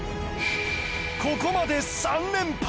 ここまで３連敗！